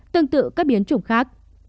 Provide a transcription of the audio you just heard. tương tự các biến chủng khác